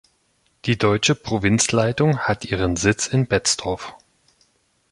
Die deutsche Provinzleitung hat ihren Sitz in Betzdorf.